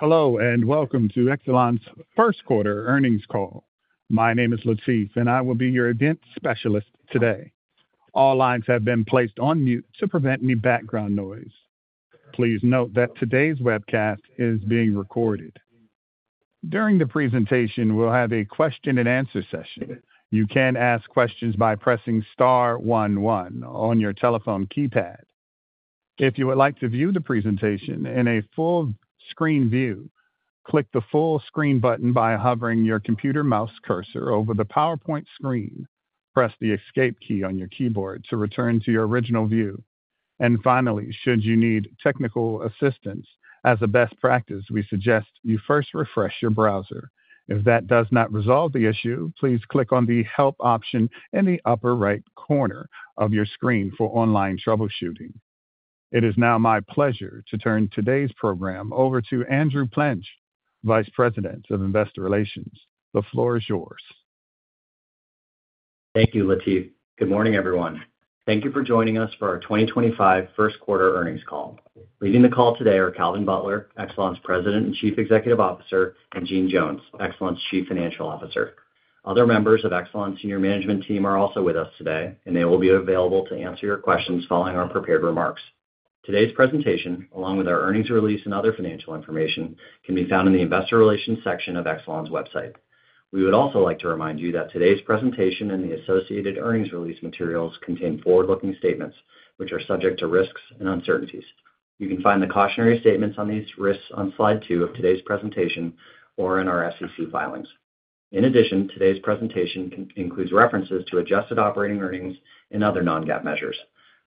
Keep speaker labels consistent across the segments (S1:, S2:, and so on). S1: Hello and welcome to Exelon's first quarter earnings call. My name is Latif, and I will be your event specialist today. All lines have been placed on mute to prevent any background noise. Please note that today's webcast is being recorded. During the presentation, we'll have a question-and-answer session. You can ask questions by pressing star one one on your telephone keypad. If you would like to view the presentation in a full-screen view, click the full-screen button by hovering your computer mouse cursor over the PowerPoint screen. Press the escape key on your keyboard to return to your original view. Finally, should you need technical assistance, as a best practice, we suggest you first refresh your browser. If that does not resolve the issue, please click on the help option in the upper right corner of your screen for online troubleshooting. It is now my pleasure to turn today's program over to Andrew Plenge, Vice President of Investor Relations. The floor is yours.
S2: Thank you, Latif. Good morning, everyone. Thank you for joining us for our 2025 first quarter earnings call. Leading the call today are Calvin Butler, Exelon's President and Chief Executive Officer, and Jeanne Jones, Exelon's Chief Financial Officer. Other members of Exelon's senior management team are also with us today, and they will be available to answer your questions following our prepared remarks. Today's presentation, along with our earnings release and other financial information, can be found in the Investor Relations section of Exelon's website. We would also like to remind you that today's presentation and the associated earnings release materials contain forward-looking statements, which are subject to risks and uncertainties. You can find the cautionary statements on these risks on slide two of today's presentation or in our SEC filings. In addition, today's presentation includes references to adjusted operating earnings and other non-GAAP measures.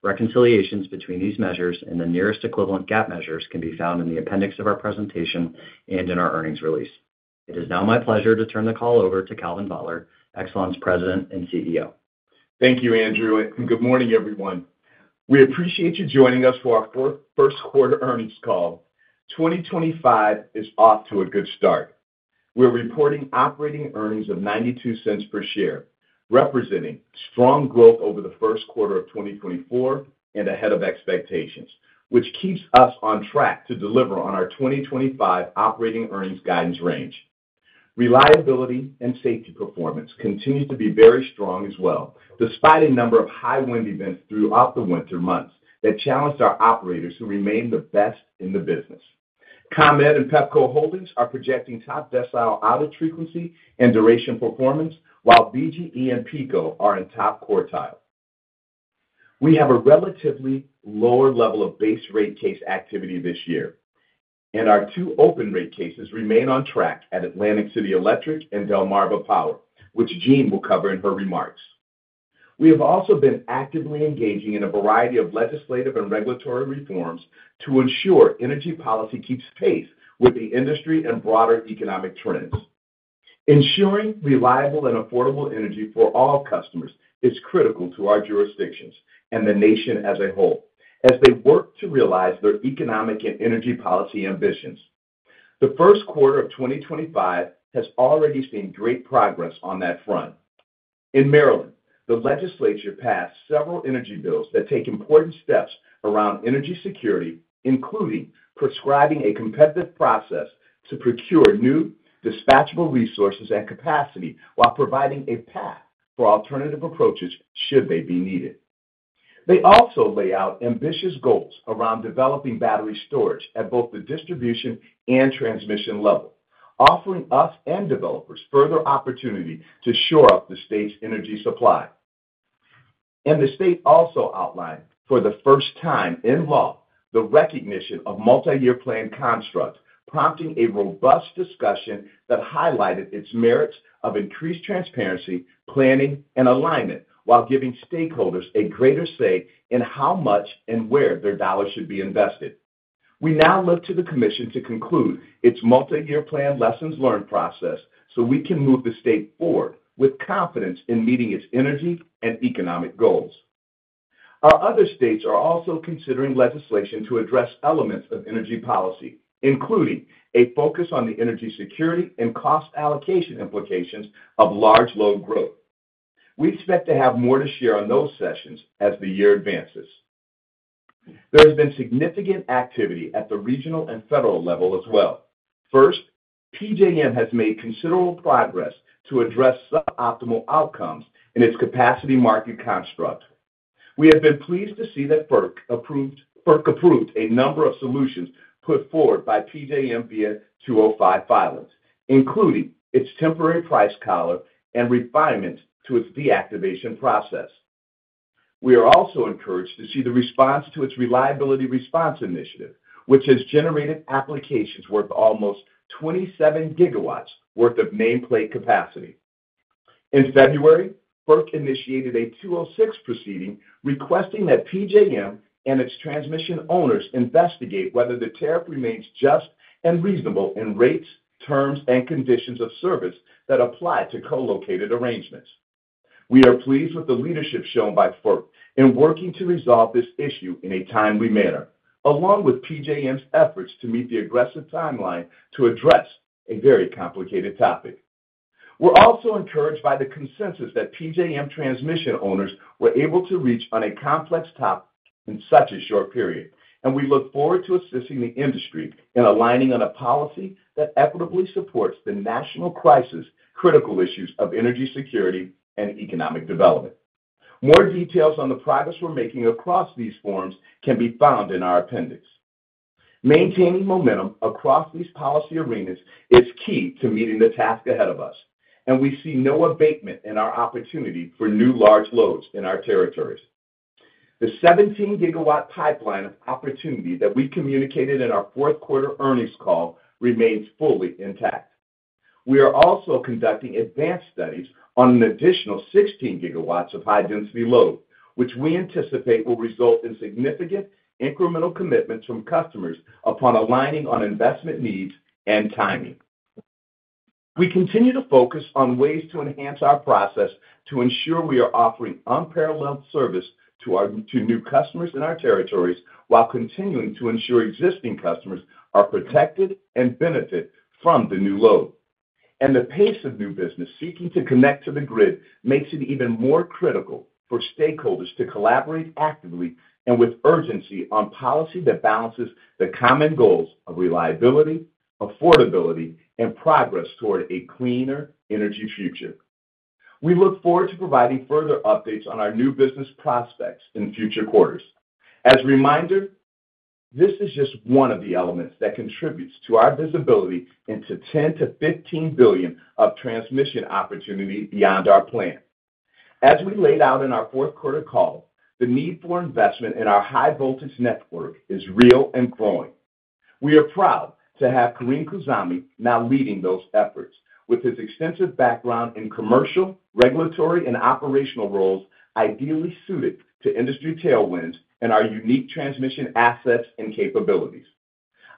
S2: Reconciliations between these measures and the nearest equivalent GAAP measures can be found in the appendix of our presentation and in our earnings release. It is now my pleasure to turn the call over to Calvin Butler, Exelon's President and CEO.
S3: Thank you, Andrew. Good morning, everyone. We appreciate you joining us for our first quarter earnings call. 2025 is off to a good start. We are reporting operating earnings of $0.92 per share, representing strong growth over the first quarter of 2024 and ahead of expectations, which keeps us on track to deliver on our 2025 operating earnings guidance range. Reliability and safety performance continues to be very strong as well, despite a number of high wind events throughout the winter months that challenged our operators who remain the best in the business. ComEd and Pepco Holdings are projecting top decile outage frequency and duration performance, while BGE and PECO are in top quartile. We have a relatively lower level of base rate case activity this year, and our two open rate cases remain on track at Atlantic City Electric and Delmarva Power, which Jeanne will cover in her remarks. We have also been actively engaging in a variety of legislative and regulatory reforms to ensure energy policy keeps pace with the industry and broader economic trends. Ensuring reliable and affordable energy for all customers is critical to our jurisdictions and the nation as a whole as they work to realize their economic and energy policy ambitions. The first quarter of 2025 has already seen great progress on that front. In Maryland, the legislature passed several energy bills that take important steps around energy security, including prescribing a competitive process to procure new dispatchable resources and capacity while providing a path for alternative approaches should they be needed. They also lay out ambitious goals around developing battery storage at both the distribution and transmission level, offering us and developers further opportunity to shore up the state's energy supply. The state also outlined, for the first time in law, the recognition of multi-year plan constructs, prompting a robust discussion that highlighted its merits of increased transparency, planning, and alignment while giving stakeholders a greater say in how much and where their dollars should be invested. We now look to the Commission to conclude its multi-year plan lessons learned process so we can move the state forward with confidence in meeting its energy and economic goals. Our other states are also considering legislation to address elements of energy policy, including a focus on the energy security and cost allocation implications of large load growth. We expect to have more to share on those sessions as the year advances. There has been significant activity at the regional and federal level as well. First, PJM has made considerable progress to address suboptimal outcomes in its capacity market construct. We have been pleased to see that FERC approved a number of solutions put forward by PJM via 205 filings, including its temporary price collar and refinements to its deactivation process. We are also encouraged to see the response to its reliability response initiative, which has generated applications worth almost 27 gigawatts worth of nameplate capacity. In February, FERC initiated a 206 proceeding requesting that PJM and its transmission owners investigate whether the tariff remains just and reasonable in rates, terms, and conditions of service that apply to co-located arrangements. We are pleased with the leadership shown by FERC in working to resolve this issue in a timely manner, along with PJM's efforts to meet the aggressive timeline to address a very complicated topic. We're also encouraged by the consensus that PJM transmission owners were able to reach on a complex topic in such a short period, and we look forward to assisting the industry in aligning on a policy that equitably supports the national critical issues of energy security and economic development. More details on the progress we're making across these forums can be found in our appendix. Maintaining momentum across these policy arenas is key to meeting the task ahead of us, and we see no abatement in our opportunity for new large loads in our territories. The 17-gigawatt pipeline of opportunity that we communicated in our fourth quarter earnings call remains fully intact. We are also conducting advanced studies on an additional 16 gigawatts of high-density load, which we anticipate will result in significant incremental commitments from customers upon aligning on investment needs and timing. We continue to focus on ways to enhance our process to ensure we are offering unparalleled service to new customers in our territories while continuing to ensure existing customers are protected and benefit from the new load. The pace of new business seeking to connect to the grid makes it even more critical for stakeholders to collaborate actively and with urgency on policy that balances the common goals of reliability, affordability, and progress toward a cleaner energy future. We look forward to providing further updates on our new business prospects in future quarters. As a reminder, this is just one of the elements that contributes to our visibility into $10 billion-$15 billion of transmission opportunity beyond our plan. As we laid out in our fourth quarter call, the need for investment in our high-voltage network is real and growing. We are proud to have Carim Khouzami now leading those efforts with his extensive background in commercial, regulatory, and operational roles ideally suited to industry tailwinds and our unique transmission assets and capabilities.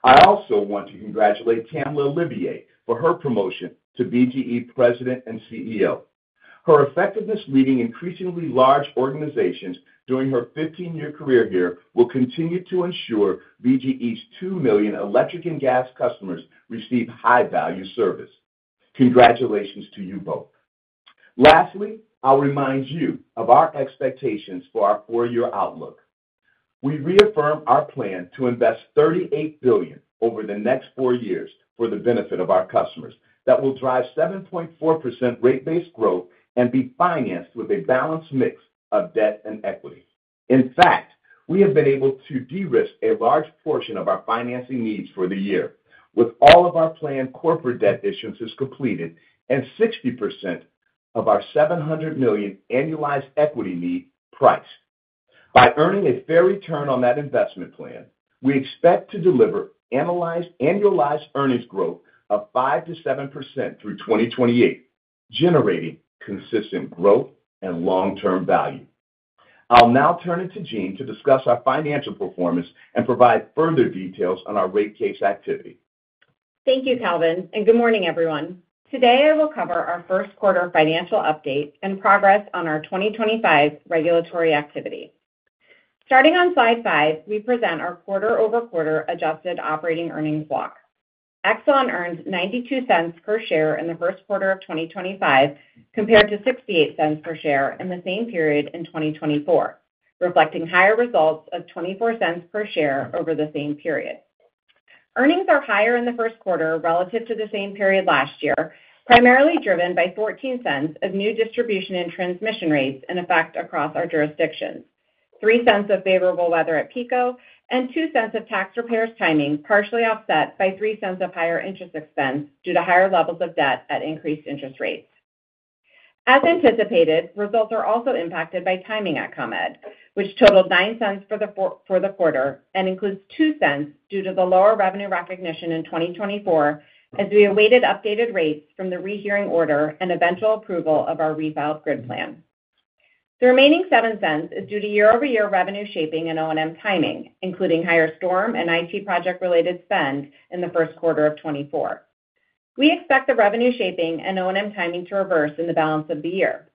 S3: I also want to congratulate Tamla Olivier for her promotion to BGE President and CEO. Her effectiveness leading increasingly large organizations during her 15-year career here will continue to ensure BGE's 2 million electric and gas customers receive high-value service. Congratulations to you both. Lastly, I'll remind you of our expectations for our four-year outlook. We reaffirm our plan to invest $38 billion over the next four years for the benefit of our customers that will drive 7.4% rate base growth and be financed with a balanced mix of debt and equity. In fact, we have been able to de-risk a large portion of our financing needs for the year with all of our planned corporate debt issuances completed and 60% of our $700 million annualized equity need priced. By earning a fair return on that investment plan, we expect to deliver annualized earnings growth of 5-7% through 2028, generating consistent growth and long-term value. I'll now turn it to Jeanne to discuss our financial performance and provide further details on our rate case activity.
S4: Thank you, Calvin. Good morning, everyone. Today, I will cover our first quarter financial update and progress on our 2025 regulatory activity. Starting on slide five, we present our quarter-over-quarter adjusted operating earnings block. Exelon earned $0.92 per share in the first quarter of 2025 compared to $0.68 per share in the same period in 2024, reflecting higher results of $0.24 per share over the same period. Earnings are higher in the first quarter relative to the same period last year, primarily driven by $0.14 of new distribution and transmission rates in effect across our jurisdictions, $0.03 of favorable weather at PECO, and $0.02 of tax repairs timing, partially offset by $0.03 of higher interest expense due to higher levels of debt at increased interest rates. As anticipated, results are also impacted by timing at ComEd, which totaled $0.09 for the quarter and includes $0.02 due to the lower revenue recognition in 2024 as we awaited updated rates from the rehearing order and eventual approval of our refiled grid plan. The remaining $0.07 is due to year-over-year revenue shaping and O&M timing, including higher storm and IT project-related spend in the first quarter of 2024. We expect the revenue shaping and O&M timing to reverse in the balance of the year.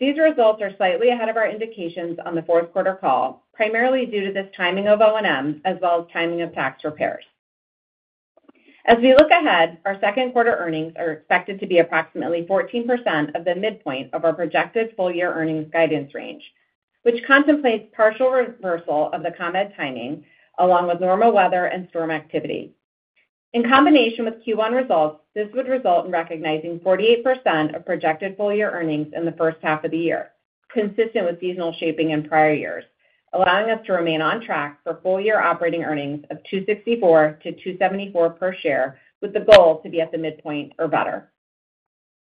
S4: These results are slightly ahead of our indications on the fourth quarter call, primarily due to this timing of O&M as well as timing of tax repairs. As we look ahead, our second quarter earnings are expected to be approximately 14% of the midpoint of our projected full-year earnings guidance range, which contemplates partial reversal of the ComEd timing along with normal weather and storm activity. In combination with Q1 results, this would result in recognizing 48% of projected full-year earnings in the first half of the year, consistent with seasonal shaping in prior years, allowing us to remain on track for full-year operating earnings of $2.64-$2.74 per share with the goal to be at the midpoint or better.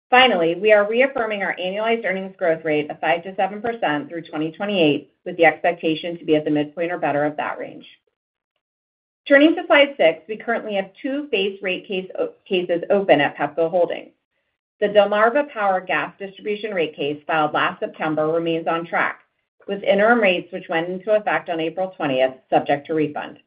S4: Finally, we are reaffirming our annualized earnings growth rate of 5-7% through 2028 with the expectation to be at the midpoint or better of that range. Turning to slide six, we currently have two base rate cases open at Pepco Holdings. The Delmarva Power gas distribution rate case filed last September remains on track with interim rates which went into effect on April 20, subject to refund.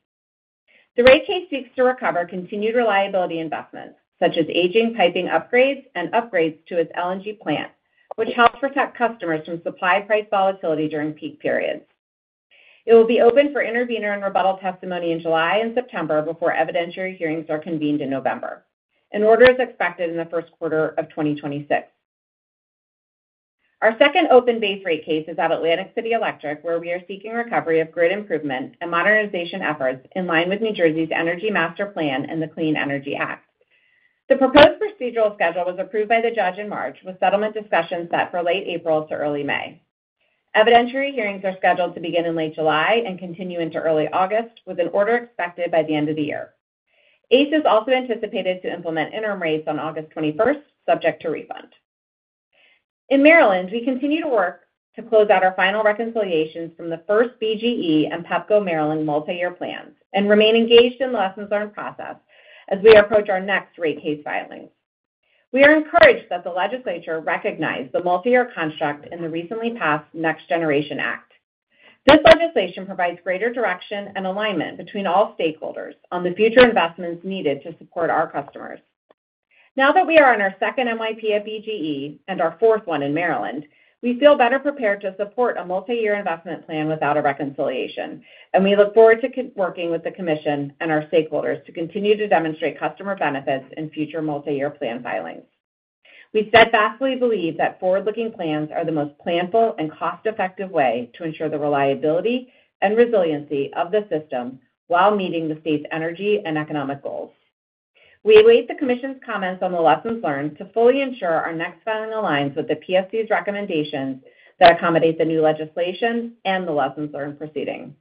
S4: The rate case seeks to recover continued reliability investments such as aging piping upgrades and upgrades to its LNG plant, which helps protect customers from supply price volatility during peak periods. It will be open for intervenor and rebuttal testimony in July and September before evidentiary hearings are convened in November, in order as expected in the first quarter of 2026. Our second open base rate case is at Atlantic City Electric, where we are seeking recovery of grid improvement and modernization efforts in line with New Jersey's Energy Master Plan and the Clean Energy Act. The proposed procedural schedule was approved by the judge in March with settlement discussions set for late April to early May. Evidentiary hearings are scheduled to begin in late July and continue into early August with an order expected by the end of the year. ACE is also anticipated to implement interim rates on August 21, subject to refund. In Maryland, we continue to work to close out our final reconciliations from the first BGE and Pepco Maryland multi-year plans and remain engaged in the lessons learned process as we approach our next rate case filings. We are encouraged that the legislature recognize the multi-year construct in the recently passed Next Generation Act. This legislation provides greater direction and alignment between all stakeholders on the future investments needed to support our customers. Now that we are on our second MYP at BGE and our fourth one in Maryland, we feel better prepared to support a multi-year investment plan without a reconciliation, and we look forward to working with the Commission and our stakeholders to continue to demonstrate customer benefits in future multi-year plan filings. We steadfastly believe that forward-looking plans are the most planful and cost-effective way to ensure the reliability and resiliency of the system while meeting the state's energy and economic goals. We await the Commission's comments on the lessons learned to fully ensure our next filing aligns with the PSC's recommendations that accommodate the new legislation and the lessons learned proceeding.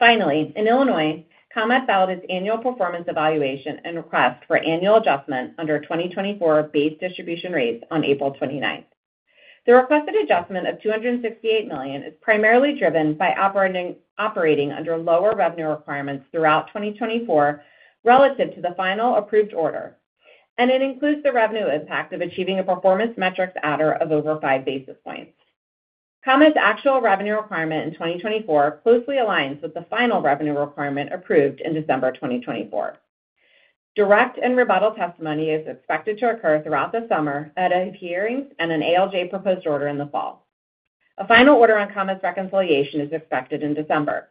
S4: Finally, in Illinois, ComEd filed its annual performance evaluation and request for annual adjustment under 2024 base distribution rates on April 29. The requested adjustment of $268 million is primarily driven by operating under lower revenue requirements throughout 2024 relative to the final approved order, and it includes the revenue impact of achieving a performance metrics adder of over five basis points. ComEd's actual revenue requirement in 2024 closely aligns with the final revenue requirement approved in December 2024. Direct and rebuttal testimony is expected to occur throughout the summer at a hearing and an ALJ proposed order in the fall. A final order on ComEd's reconciliation is expected in December.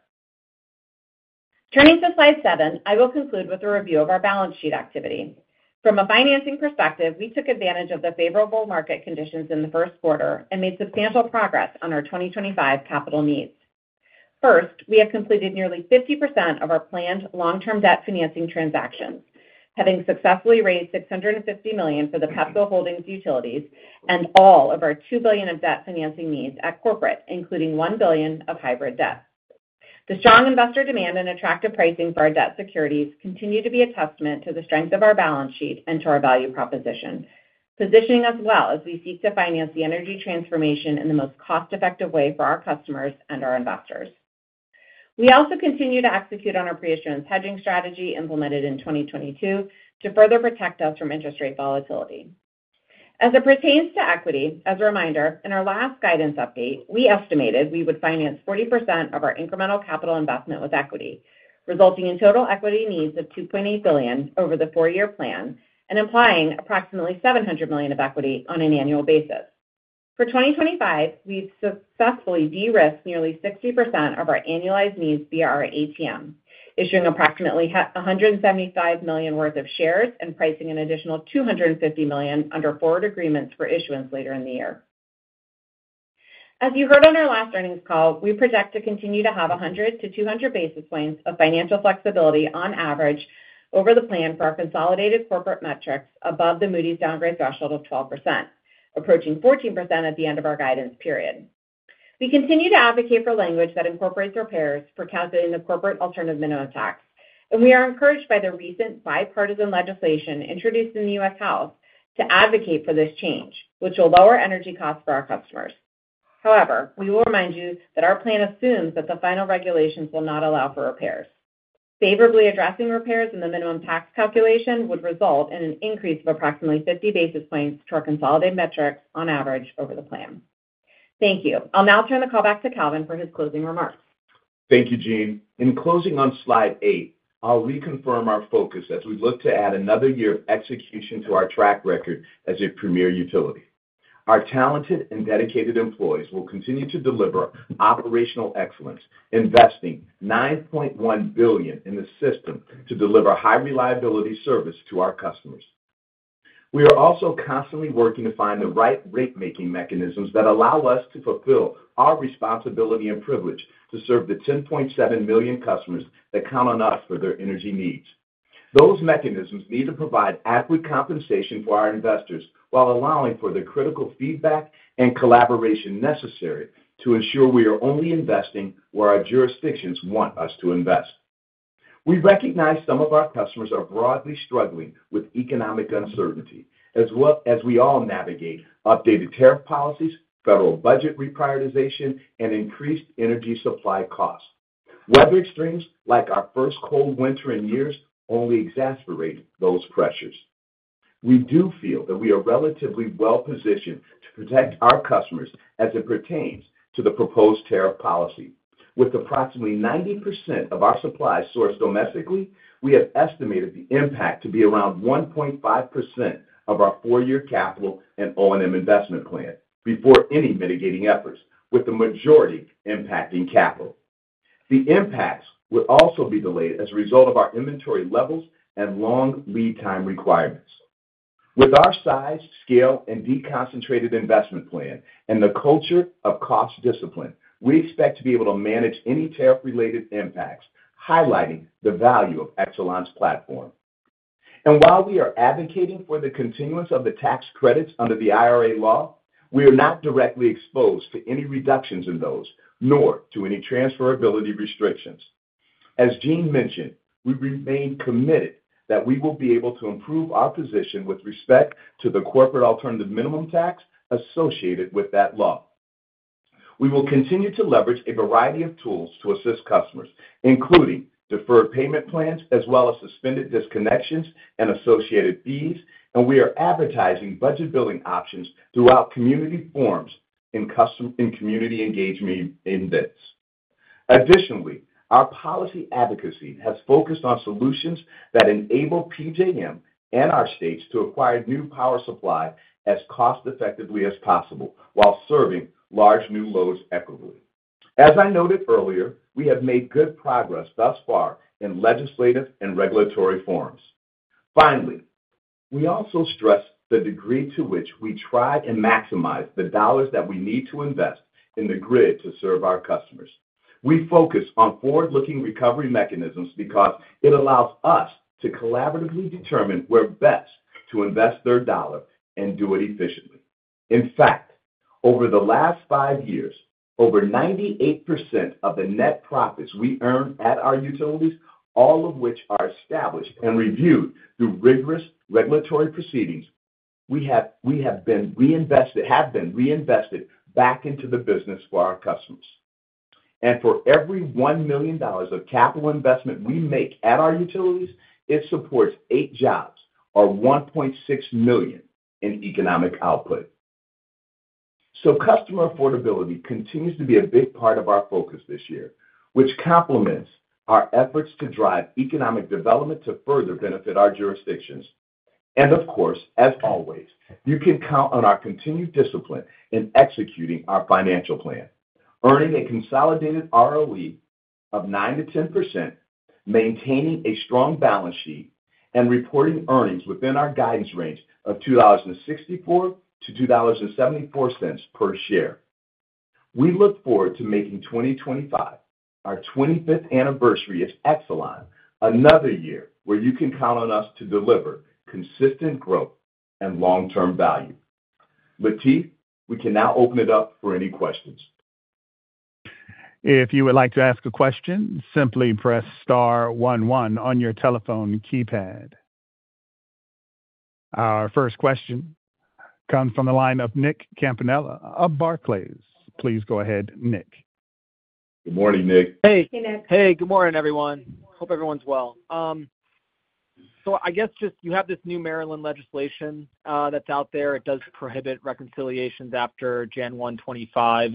S4: Turning to slide seven, I will conclude with a review of our balance sheet activity. From a financing perspective, we took advantage of the favorable market conditions in the first quarter and made substantial progress on our 2025 capital needs. First, we have completed nearly 50% of our planned long-term debt financing transactions, having successfully raised $650 million for the Pepco Holdings utilities and all of our $2 billion of debt financing needs at corporate, including $1 billion of hybrid debt. The strong investor demand and attractive pricing for our debt securities continue to be a testament to the strength of our balance sheet and to our value proposition, positioning us well as we seek to finance the energy transformation in the most cost-effective way for our customers and our investors. We also continue to execute on our pre-issuance hedging strategy implemented in 2022 to further protect us from interest rate volatility. As it pertains to equity, as a reminder, in our last guidance update, we estimated we would finance 40% of our incremental capital investment with equity, resulting in total equity needs of $2.8 billion over the four-year plan and implying approximately $700 million of equity on an annual basis. For 2025, we've successfully de-risked nearly 60% of our annualized needs via our ATM, issuing approximately $175 million worth of shares and pricing an additional $250 million under forward agreements for issuance later in the year. As you heard on our last earnings call, we project to continue to have 100 to 200 basis points of financial flexibility on average over the plan for our consolidated corporate metrics above the Moody's downgrade threshold of 12%, approaching 14% at the end of our guidance period. We continue to advocate for language that incorporates repairs for calculating the corporate alternative minimum tax, and we are encouraged by the recent bipartisan legislation introduced in the U.S. House to advocate for this change, which will lower energy costs for our customers. However, we will remind you that our plan assumes that the final regulations will not allow for repairs. Favorably addressing repairs in the minimum tax calculation would result in an increase of approximately 50 basis points to our consolidated metrics on average over the plan. Thank you. I'll now turn the call back to Calvin for his closing remarks.
S3: Thank you, Jeanne. In closing on slide eight, I'll reconfirm our focus as we look to add another year of execution to our track record as a premier utility. Our talented and dedicated employees will continue to deliver operational excellence, investing $9.1 billion in the system to deliver high-reliability service to our customers. We are also constantly working to find the right rate-making mechanisms that allow us to fulfill our responsibility and privilege to serve the 10.7 million customers that count on us for their energy needs. Those mechanisms need to provide adequate compensation for our investors while allowing for the critical feedback and collaboration necessary to ensure we are only investing where our jurisdictions want us to invest. We recognize some of our customers are broadly struggling with economic uncertainty, as well as we all navigate updated tariff policies, federal budget reprioritization, and increased energy supply costs. Weather extremes like our first cold winter in years only exacerbate those pressures. We do feel that we are relatively well-positioned to protect our customers as it pertains to the proposed tariff policy. With approximately 90% of our supplies sourced domestically, we have estimated the impact to be around 1.5% of our four-year capital and O&M investment plan before any mitigating efforts, with the majority impacting capital. The impacts would also be delayed as a result of our inventory levels and long lead time requirements. With our size, scale, and deconcentrated investment plan and the culture of cost discipline, we expect to be able to manage any tariff-related impacts, highlighting the value of Exelon's platform. While we are advocating for the continuance of the tax credits under the IRA law, we are not directly exposed to any reductions in those, nor to any transferability restrictions. As Jeanne mentioned, we remain committed that we will be able to improve our position with respect to the corporate alternative minimum tax associated with that law. We will continue to leverage a variety of tools to assist customers, including deferred payment plans as well as suspended disconnections and associated fees, and we are advertising budget billing options throughout community forums and community engagement events. Additionally, our policy advocacy has focused on solutions that enable PJM and our states to acquire new power supply as cost-effectively as possible while serving large new loads equitably. As I noted earlier, we have made good progress thus far in legislative and regulatory forms. Finally, we also stress the degree to which we try and maximize the dollars that we need to invest in the grid to serve our customers. We focus on forward-looking recovery mechanisms because it allows us to collaboratively determine where best to invest their dollar and do it efficiently. In fact, over the last five years, over 98% of the net profits we earn at our utilities, all of which are established and reviewed through rigorous regulatory proceedings, have been reinvested back into the business for our customers. For every $1 million of capital investment we make at our utilities, it supports eight jobs or $1.6 million in economic output. Customer affordability continues to be a big part of our focus this year, which complements our efforts to drive economic development to further benefit our jurisdictions. Of course, as always, you can count on our continued discipline in executing our financial plan, earning a consolidated ROE of 9-10%, maintaining a strong balance sheet, and reporting earnings within our guidance range of $2.64-$2.74 per share. We look forward to making 2025 our 25th anniversary at Exelon, another year where you can count on us to deliver consistent growth and long-term value. Latif, we can now open it up for any questions.
S1: If you would like to ask a question, simply press star one one on your telephone keypad. Our first question comes from the line of Nick Campanella of Barclays. Please go ahead, Nick.
S3: Good morning, Nick.
S5: Hey. Hey, good morning, everyone. Hope everyone's well. I guess just you have this new Maryland legislation that's out there. It does prohibit reconciliations after January 1, 2025.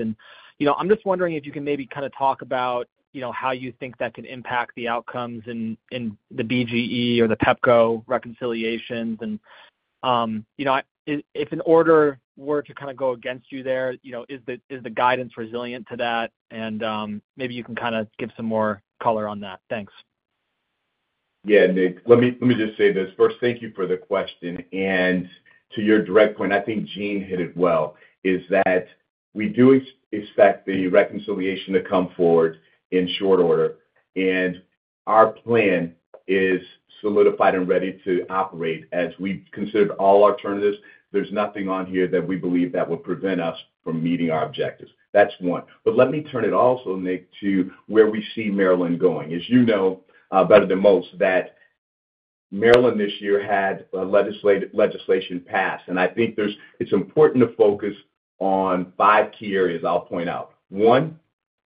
S5: I'm just wondering if you can maybe kind of talk about how you think that can impact the outcomes in the BGE or the Pepco reconciliations. If an order were to kind of go against you there, is the guidance resilient to that? Maybe you can kind of give some more color on that. Thanks.
S3: Yeah, Nick, let me just say this first. Thank you for the question. To your direct point, I think Jeanne hit it well, is that we do expect the reconciliation to come forward in short order. Our plan is solidified and ready to operate as we've considered all alternatives. There's nothing on here that we believe that would prevent us from meeting our objectives. That's one. Let me turn it also, Nick, to where we see Maryland going. As you know better than most, that Maryland this year had legislation passed. I think it's important to focus on five key areas I'll point out. One,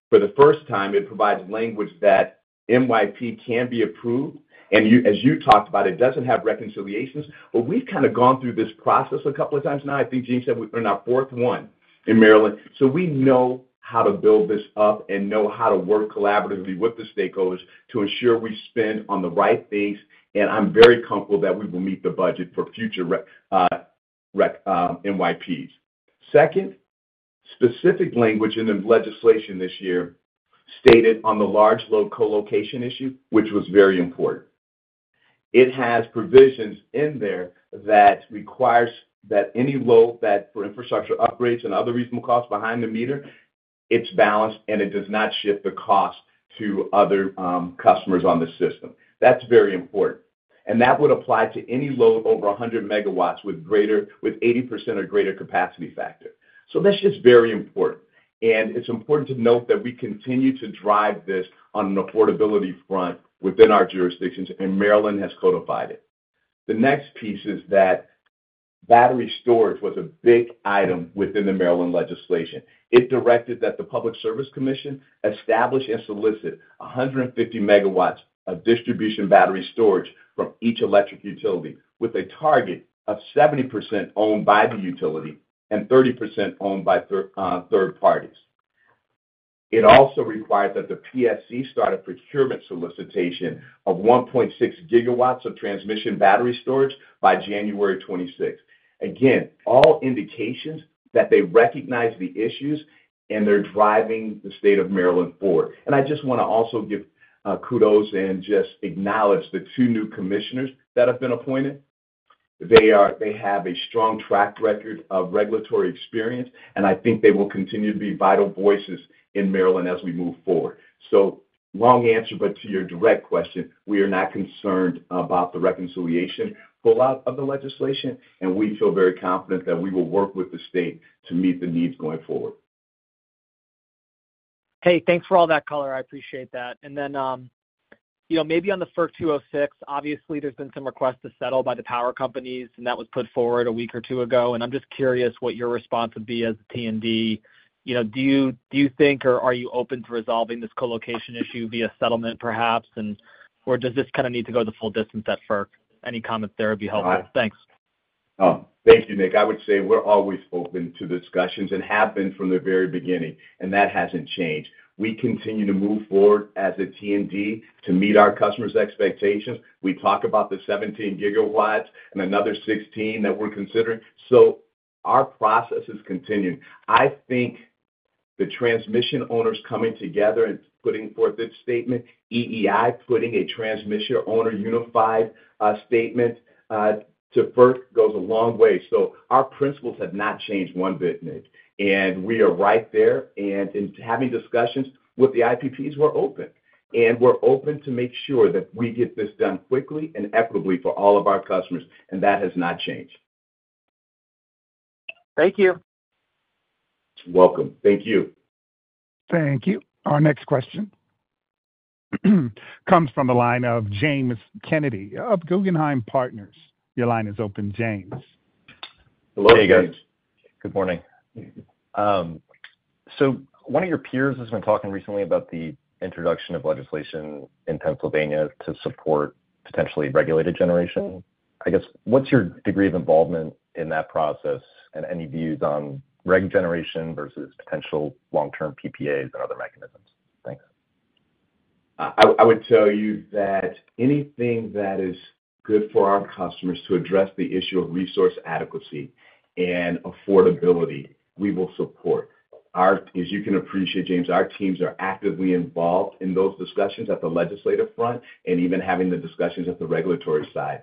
S3: for the first time, it provides language that MYP can be approved. As you talked about, it doesn't have reconciliations. We've kind of gone through this process a couple of times now. I think Jeanne said we're in our fourth one in Maryland. We know how to build this up and know how to work collaboratively with the stakeholders to ensure we spend on the right things. I'm very comfortable that we will meet the budget for future MYPs. Second, specific language in the legislation this year stated on the large load co-location issue, which was very important. It has provisions in there that require that any load that for infrastructure upgrades and other reasonable costs behind the meter, it's balanced and it does not shift the cost to other customers on the system. That's very important. That would apply to any load over 100 megawatts with 80% or greater capacity factor. That's just very important. It's important to note that we continue to drive this on an affordability front within our jurisdictions, and Maryland has codified it. The next piece is that battery storage was a big item within the Maryland legislation. It directed that the Public Service Commission establish and solicit 150 megawatts of distribution battery storage from each electric utility with a target of 70% owned by the utility and 30% owned by third parties. It also required that the PSC start a procurement solicitation of 1.6 gigawatts of transmission battery storage by January 26. Again, all indications that they recognize the issues and they're driving the state of Maryland forward. I just want to also give kudos and just acknowledge the two new commissioners that have been appointed. They have a strong track record of regulatory experience, and I think they will continue to be vital voices in Maryland as we move forward. Long answer, but to your direct question, we are not concerned about the reconciliation pull-out of the legislation, and we feel very confident that we will work with the state to meet the needs going forward.
S5: Hey, thanks for all that color. I appreciate that. Maybe on the FERC 206, obviously, there's been some requests to settle by the power companies, and that was put forward a week or two ago. I'm just curious what your response would be as a T&D. Do you think, or are you open to resolving this co-location issue via settlement, perhaps? Does this kind of need to go the full distance at FERC? Any comments there would be helpful. Thanks.
S3: Thank you, Nick. I would say we're always open to discussions and have been from the very beginning, and that hasn't changed. We continue to move forward as a T&D to meet our customers' expectations. We talk about the 17 gigawatts and another 16 that we're considering. Our process is continuing. I think the transmission owners coming together and putting forth this statement, EEI putting a transmission owner unified statement to FERC, goes a long way. Our principles have not changed one bit, Nick. We are right there. In having discussions with the IPPs, we're open. We're open to make sure that we get this done quickly and equitably for all of our customers. That has not changed.
S5: Thank you.
S3: Welcome. Thank you.
S1: Thank you. Our next question comes from the line of James Kennedy of Guggenheim Partners. Your line is open, James.
S3: Hello, James.
S6: Hey, guys. Good morning. One of your peers has been talking recently about the introduction of legislation in Pennsylvania to support potentially regulated generation. I guess, what's your degree of involvement in that process and any views on re-regulation versus potential long-term PPAs and other mechanisms? Thanks.
S3: I would tell you that anything that is good for our customers to address the issue of resource adequacy and affordability, we will support. As you can appreciate, James, our teams are actively involved in those discussions at the legislative front and even having the discussions at the regulatory side.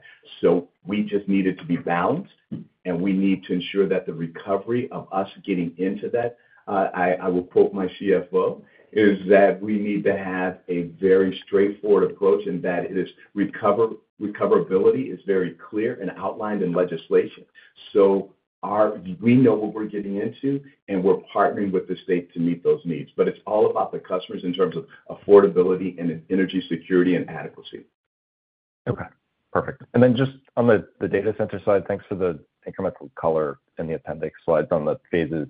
S3: We just need it to be balanced, and we need to ensure that the recovery of us getting into that, I will quote my CFO, is that we need to have a very straightforward approach and that recoverability is very clear and outlined in legislation. We know what we are getting into, and we are partnering with the state to meet those needs. It is all about the customers in terms of affordability and energy security and adequacy.
S6: Okay. Perfect. Just on the data center side, thanks for the incremental color in the appendix slides on the phases.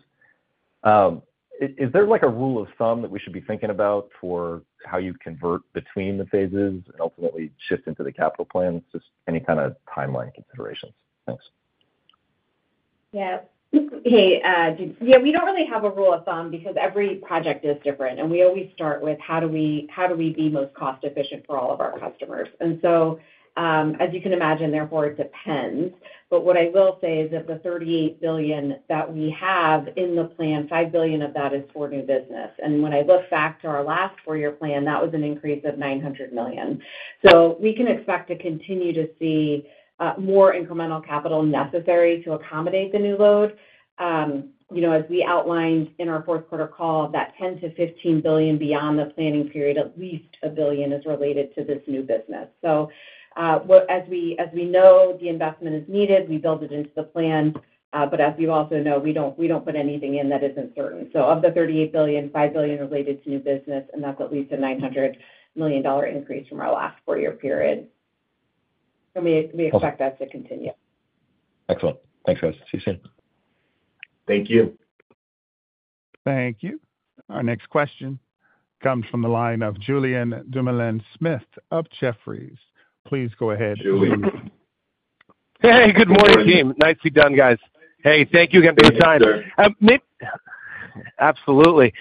S6: Is there a rule of thumb that we should be thinking about for how you convert between the phases and ultimately shift into the capital plans? Just any kind of timeline considerations. Thanks.
S4: Yeah. Hey, yeah, we do not really have a rule of thumb because every project is different. We always start with how do we be most cost-efficient for all of our customers? As you can imagine, therefore, it depends. What I will say is that the $38 billion that we have in the plan, $5 billion of that is for new business. When I look back to our last four-year plan, that was an increase of $900 million. We can expect to continue to see more incremental capital necessary to accommodate the new load. As we outlined in our fourth quarter call, that $10 billion-$15 billion beyond the planning period, at least $1 billion is related to this new business. As we know, the investment is needed. We build it into the plan. As we also know, we do not put anything in that is not certain. Of the $38 billion, $5 billion related to new business, and that is at least a $900 million increase from our last four-year period. We expect that to continue.
S6: Excellent. Thanks, guys. See you soon.
S3: Thank you.
S1: Thank you. Our next question comes from the line of Julien Dumoulin-Smith of Jefferies. Please go ahead.
S3: Julien.
S6: Hey, good morning, team. Nice to be done, guys. Hey, thank you again for your time.
S3: Thank you, sir.
S7: Absolutely.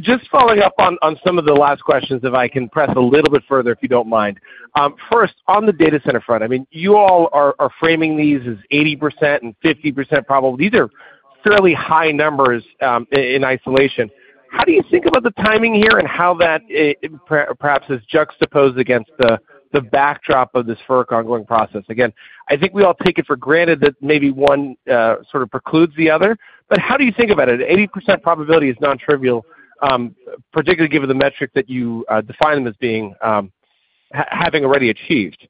S7: Just following up on some of the last questions, if I can press a little bit further, if you do not mind. First, on the data center front, I mean, you all are framing these as 80% and 50% probable. These are fairly high numbers in isolation. How do you think about the timing here and how that perhaps is juxtaposed against the backdrop of this FERC ongoing process? Again, I think we all take it for granted that maybe one sort of precludes the other. How do you think about it? 80% probability is non-trivial, particularly given the metric that you define them as having already achieved.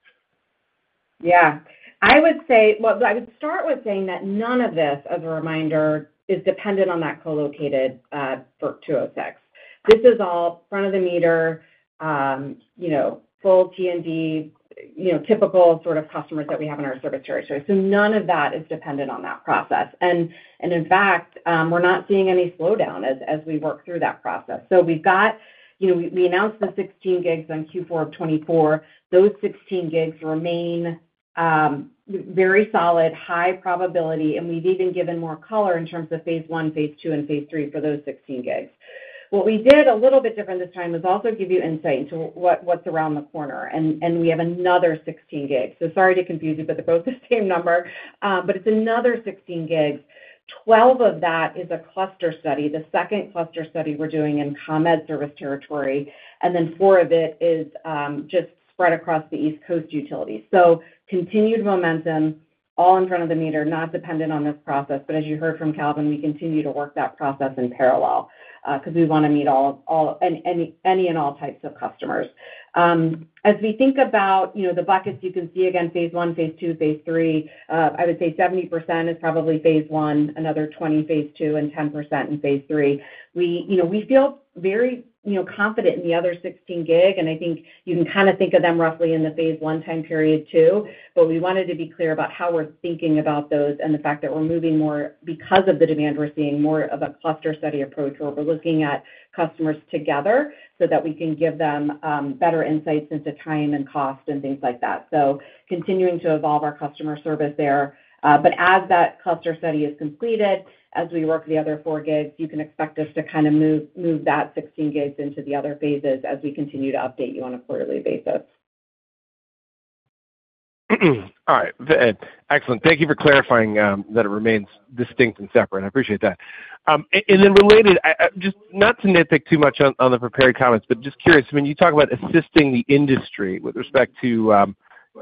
S4: Yeah. I would say, I would start with saying that none of this, as a reminder, is dependent on that co-located FERC 206. This is all front of the meter, full T&D, typical sort of customers that we have in our service territory. None of that is dependent on that process. In fact, we're not seeing any slowdown as we work through that process. We announced the 16 gigs on Q4 of 2024. Those 16 gigs remain very solid, high probability. We've even given more color in terms of phase one, phase two, and phase three for those 16 gigs. What we did a little bit different this time was also give you insight into what's around the corner. We have another 16 gigs. Sorry to confuse you, but they're both the same number. It's another 16 gigs. Twelve of that is a cluster study, the second cluster study we're doing in ComEd service territory. Then four of it is just spread across the East Coast utilities. Continued momentum, all in front of the meter, not dependent on this process. As you heard from Calvin, we continue to work that process in parallel because we want to meet any and all types of customers. As we think about the buckets, you can see again, phase one, phase two, phase three. I would say 70% is probably phase one, another 20% phase two, and 10% in phase three. We feel very confident in the other 16 gig. I think you can kind of think of them roughly in the phase one time period too. We wanted to be clear about how we're thinking about those and the fact that we're moving more because of the demand we're seeing, more of a cluster study approach where we're looking at customers together so that we can give them better insights into time and cost and things like that. Continuing to evolve our customer service there. As that cluster study is completed, as we work the other four gigs, you can expect us to kind of move that 16 gigs into the other phases as we continue to update you on a quarterly basis.
S7: All right. Excellent. Thank you for clarifying that it remains distinct and separate. I appreciate that. Related, just not to nitpick too much on the prepared comments, but just curious, when you talk about assisting the industry with respect to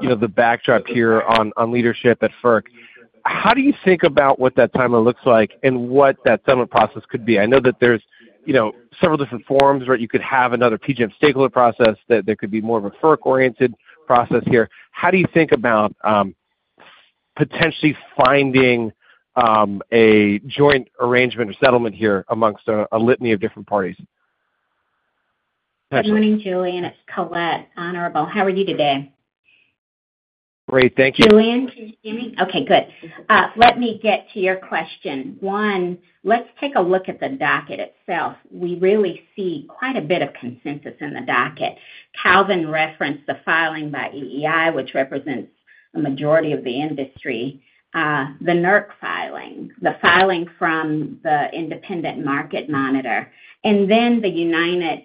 S7: the backdrop here on leadership at FERC, how do you think about what that timeline looks like and what that settlement process could be? I know that there are several different forms, right? You could have another PJM stakeholder process. There could be more of a FERC-oriented process here. How do you think about potentially finding a joint arrangement or settlement here amongst a litany of different parties?
S8: Good morning, Julien. It's Colette Honorable. How are you today?
S7: Great. Thank you.
S8: Julien, can you hear me? Okay, good. Let me get to your question. One, let's take a look at the docket itself. We really see quite a bit of consensus in the docket. Calvin referenced the filing by EEI, which represents a majority of the industry, the NERC filing, the filing from the Independent Market Monitor, and then the United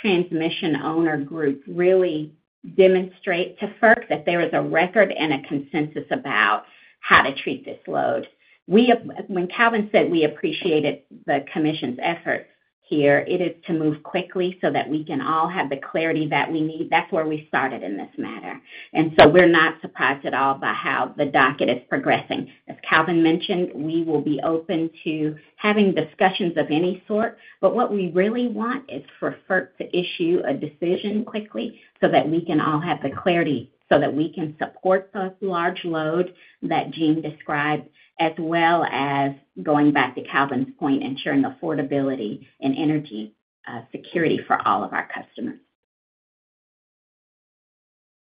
S8: Transmission Owner Group really demonstrate to FERC that there is a record and a consensus about how to treat this load. When Calvin said we appreciated the commission's effort here, it is to move quickly so that we can all have the clarity that we need. That is where we started in this matter. We are not surprised at all by how the docket is progressing. As Calvin mentioned, we will be open to having discussions of any sort. What we really want is for FERC to issue a decision quickly so that we can all have the clarity so that we can support the large load that Jeanne described, as well as going back to Calvin's point, ensuring affordability and energy security for all of our customers.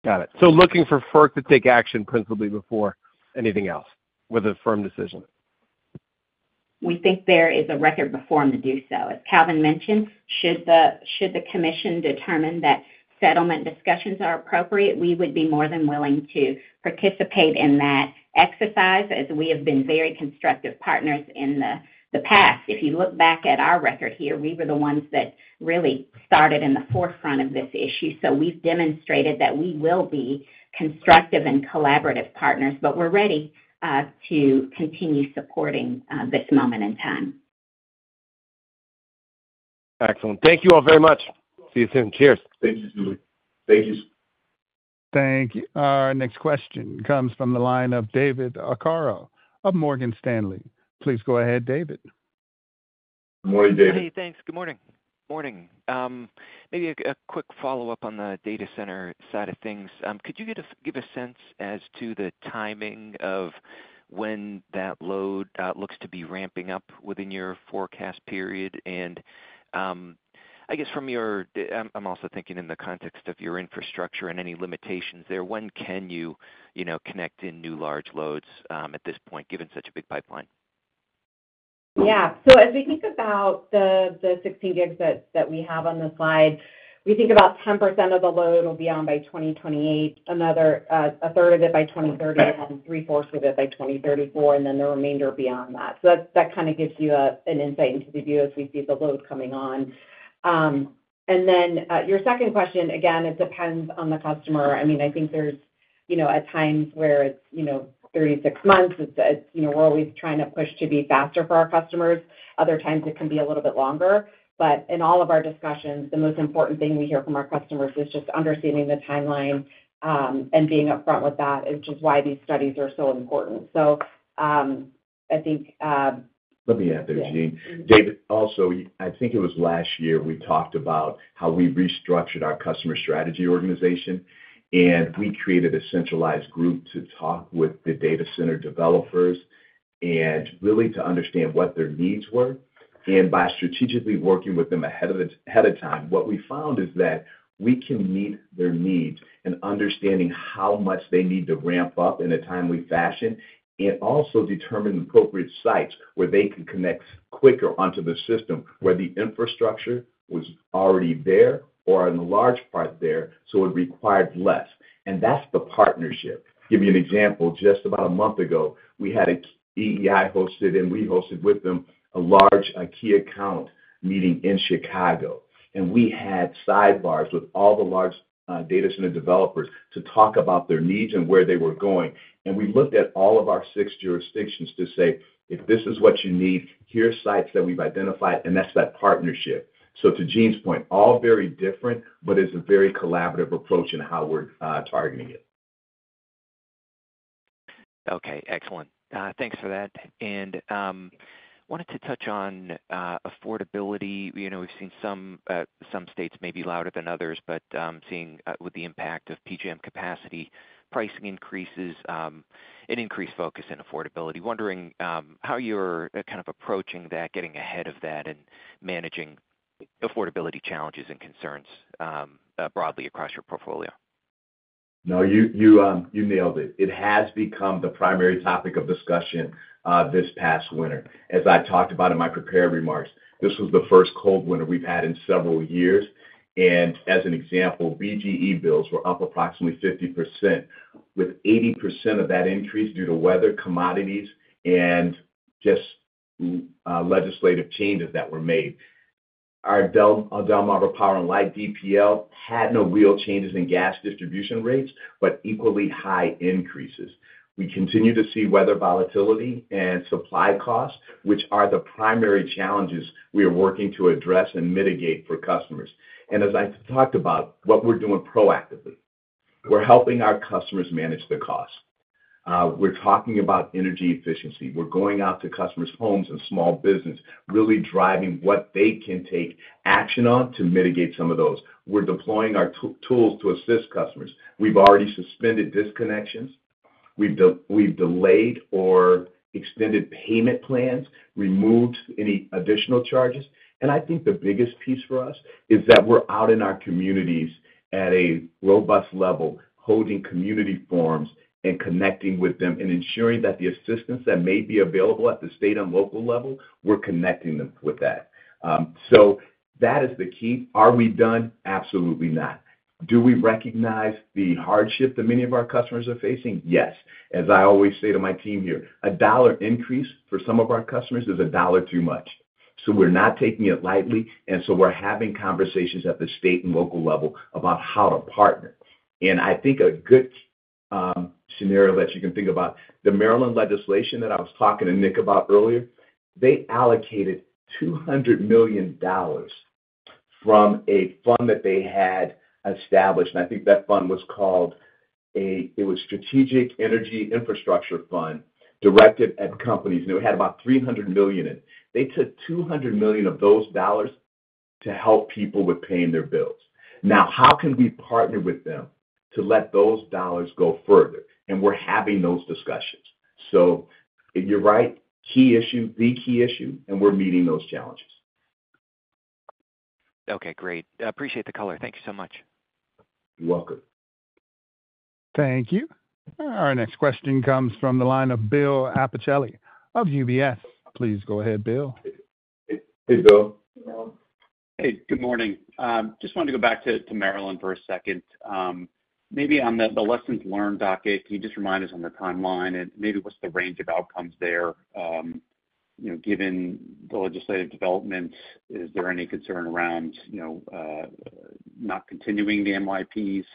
S7: Got it. Looking for FERC to take action principally before anything else with a firm decision.
S8: We think there is a record before them to do so. As Calvin mentioned, should the commission determine that settlement discussions are appropriate, we would be more than willing to participate in that exercise as we have been very constructive partners in the past. If you look back at our record here, we were the ones that really started in the forefront of this issue. We have demonstrated that we will be constructive and collaborative partners, but we are ready to continue supporting this moment in time.
S7: Excellent. Thank you all very much. See you soon. Cheers.
S3: Thank you, Julien. Thank you.
S1: Thank you. Our next question comes from the line of David Arcaro of Morgan Stanley. Please go ahead, David.
S3: Good morning, David.
S9: Hey, thanks.
S3: Good morning.
S9: Good morning. Maybe a quick follow-up on the data center side of things. Could you give a sense as to the timing of when that load looks to be ramping up within your forecast period? I guess from your—I am also thinking in the context of your infrastructure and any limitations there. When can you connect in new large loads at this point, given such a big pipeline?
S4: Yeah. As we think about the 16 gigs that we have on the slide, we think about 10% of the load will be on by 2028, another third of it by 2030, and then three-fourths of it by 2034, and then the remainder beyond that. That kind of gives you an insight into the view as we see the load coming on. Your second question, again, it depends on the customer. I mean, I think there are times where it is 36 months. We are always trying to push to be faster for our customers. Other times, it can be a little bit longer. In all of our discussions, the most important thing we hear from our customers is just understanding the timeline and being upfront with that, which is why these studies are so important. I think.
S3: Let me add there, Jeanne. David, also, I think it was last year we talked about how we restructured our customer strategy organization. We created a centralized group to talk with the data center developers and really to understand what their needs were. By strategically working with them ahead of time, what we found is that we can meet their needs and understand how much they need to ramp up in a timely fashion and also determine appropriate sites where they can connect quicker onto the system where the infrastructure was already there or in large part there so it required less. That is the partnership. Give you an example. Just about a month ago, we had an EEI hosted, and we hosted with them a large key account meeting in Chicago. We had sidebars with all the large data center developers to talk about their needs and where they were going. We looked at all of our six jurisdictions to say, "If this is what you need, here are sites that we have identified," and that is that partnership. To Jeanne's point, all very different, but it is a very collaborative approach in how we are targeting it.
S9: Okay. Excellent. Thanks for that. I wanted to touch on affordability. We've seen some states maybe louder than others, but seeing with the impact of PJM capacity, pricing increases, an increased focus in affordability. Wondering how you're kind of approaching that, getting ahead of that, and managing affordability challenges and concerns broadly across your portfolio.
S3: No, you nailed it. It has become the primary topic of discussion this past winter. As I talked about in my prepared remarks, this was the first cold winter we've had in several years. As an example, BGE bills were up approximately 50%, with 80% of that increase due to weather, commodities, and just legislative changes that were made. Our Delmarva Power and Light DPL had no real changes in gas distribution rates, but equally high increases. We continue to see weather volatility and supply costs, which are the primary challenges we are working to address and mitigate for customers. As I talked about, what we're doing proactively. We're helping our customers manage the cost. We're talking about energy efficiency. We're going out to customers' homes and small business, really driving what they can take action on to mitigate some of those. We're deploying our tools to assist customers. We've already suspended disconnections. We've delayed or extended payment plans, removed any additional charges. I think the biggest piece for us is that we're out in our communities at a robust level, holding community forums and connecting with them and ensuring that the assistance that may be available at the state and local level, we're connecting them with that. That is the key. Are we done? Absolutely not. Do we recognize the hardship that many of our customers are facing? Yes. As I always say to my team here, a dollar increase for some of our customers is a dollar too much. We're not taking it lightly. We're having conversations at the state and local level about how to partner. I think a good scenario that you can think about, the Maryland legislation that I was talking to Nick about earlier, they allocated $200 million from a fund that they had established. I think that fund was called a Strategic Energy Infrastructure Fund directed at companies. It had about $300 million in. They took $200 million of those dollars to help people with paying their bills. Now, how can we partner with them to let those dollars go further? We're having those discussions. You're right, key issue, the key issue, and we're meeting those challenges.
S9: Okay. Great. Appreciate the color. Thank you so much.
S3: You're welcome.
S1: Thank you. Our next question comes from the line of Bill Appicelli of UBS. Please go ahead, Bill.
S3: Hey, Bill.
S10: Hey. Good morning. Just wanted to go back to Maryland for a second. Maybe on the lessons learned docket, can you just remind us on the timeline and maybe what's the range of outcomes there? Given the legislative development, is there any concern around not continuing the MYPs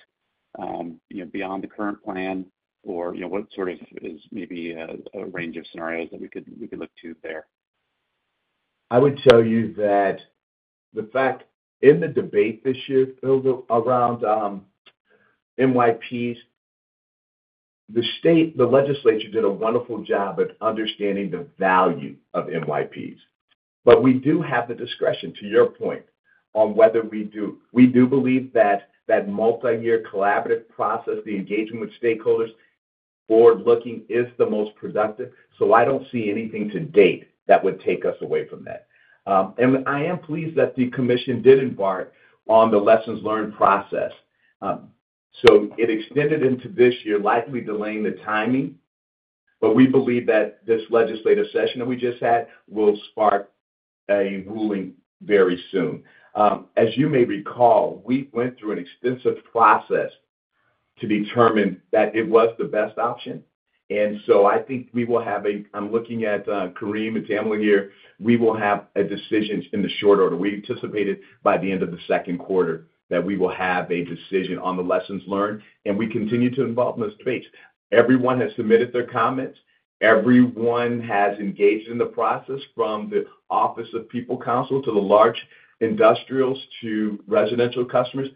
S10: beyond the current plan? Or what sort of is maybe a range of scenarios that we could look to there?
S3: I would tell you that the fact in the debate this year around MYPs, the state, the legislature did a wonderful job at understanding the value of MYPs. We do have the discretion, to your point, on whether we do. We do believe that that multi-year collaborative process, the engagement with stakeholders, forward-looking is the most productive. I do not see anything to date that would take us away from that. I am pleased that the commission did embark on the lessons learned process. It extended into this year, likely delaying the timing. We believe that this legislative session that we just had will spark a ruling very soon. As you may recall, we went through an extensive process to determine that it was the best option. I think we will have a—I am looking at Carim and Tamla here. We will have a decision in the short order. We anticipated by the end of the second quarter that we will have a decision on the lessons learned. We continue to involve in those debates. Everyone has submitted their comments. Everyone has engaged in the process from the Office of People's Counsel to the large industrials to residential customers.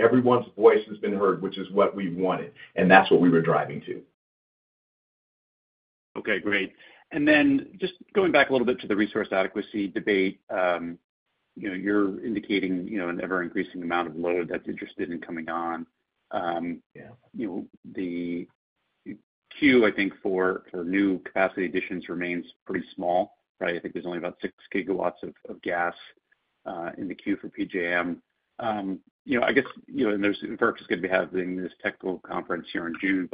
S3: Everyone's voice has been heard, which is what we wanted. That is what we were driving to.
S10: Okay. Great. Just going back a little bit to the resource adequacy debate, you're indicating an ever-increasing amount of load that's interested in coming on. The queue, I think, for new capacity additions remains pretty small, right? I think there's only about 6 gigawatts of gas in the queue for PJM. I guess FERC is going to be having this technical conference here in June.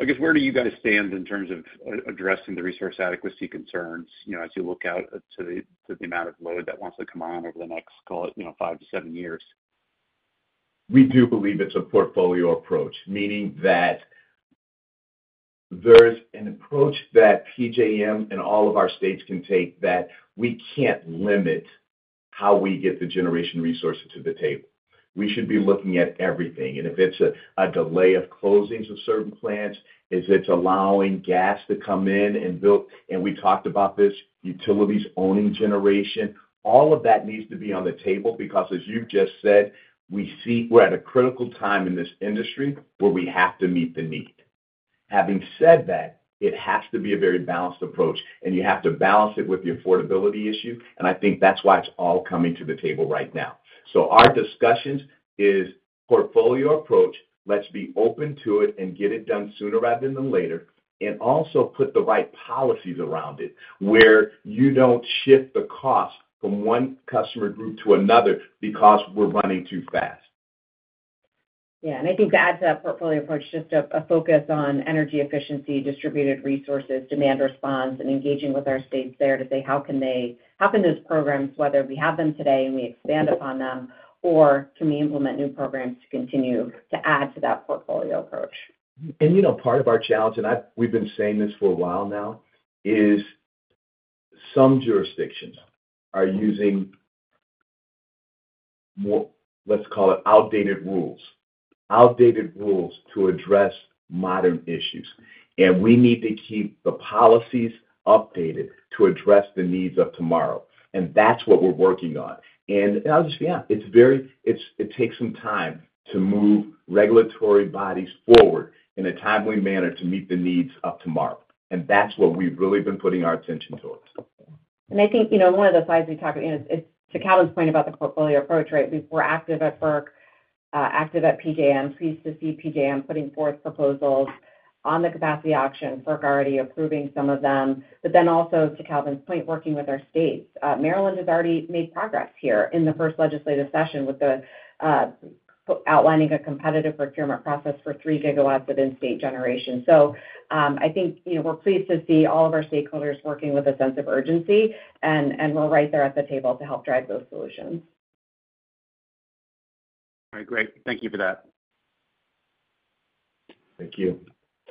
S10: I guess where do you guys stand in terms of addressing the resource adequacy concerns as you look out to the amount of load that wants to come on over the next, call it, 5 to 7 years?
S3: We do believe it's a portfolio approach, meaning that there's an approach that PJM and all of our states can take that we can't limit how we get the generation resources to the table. We should be looking at everything. If it's a delay of closings of certain plants, if it's allowing gas to come in and build—and we talked about this—utilities owning generation, all of that needs to be on the table because, as you just said, we're at a critical time in this industry where we have to meet the need. Having said that, it has to be a very balanced approach. You have to balance it with the affordability issue. I think that's why it's all coming to the table right now. Our discussion is portfolio approach. Let's be open to it and get it done sooner rather than later and also put the right policies around it where you don't shift the cost from one customer group to another because we're running too fast.
S4: Yeah. I think to add to that portfolio approach, just a focus on energy efficiency, distributed resources, demand response, and engaging with our states there to say, "How can those programs, whether we have them today and we expand upon them, or can we implement new programs to continue to add to that portfolio approach?
S3: Part of our challenge—and we've been saying this for a while now—is some jurisdictions are using more, let's call it, outdated rules. Outdated rules to address modern issues. We need to keep the policies updated to address the needs of tomorrow. That is what we're working on. I'll just be honest, it takes some time to move regulatory bodies forward in a timely manner to meet the needs of tomorrow. That is what we've really been putting our attention towards.
S4: I think one of the slides we talked about, to Calvin's point about the portfolio approach, right? We're active at FERC, active at PJM, pleased to see PJM putting forth proposals on the capacity auction. FERC already approving some of them. Also, to Calvin's point, working with our states, Maryland has already made progress here in the first legislative session with outlining a competitive procurement process for 3 gigawatts of in-state generation. I think we're pleased to see all of our stakeholders working with a sense of urgency. We're right there at the table to help drive those solutions.
S10: All right. Great. Thank you for that.
S3: Thank you.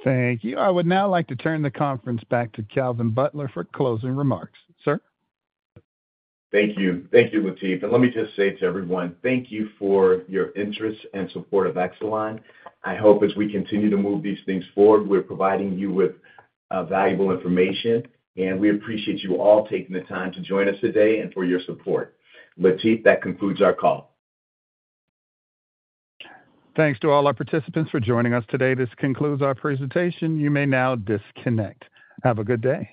S1: Thank you. I would now like to turn the conference back to Calvin Butler for closing remarks. Sir?
S3: Thank you. Thank you, Latif. Let me just say to everyone, thank you for your interest and support of Exelon. I hope as we continue to move these things forward, we are providing you with valuable information. We appreciate you all taking the time to join us today and for your support. Latif, that concludes our call.
S1: Thanks to all our participants for joining us today. This concludes our presentation. You may now disconnect. Have a good day.